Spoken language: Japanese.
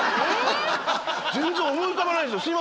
全然思い浮かばないです。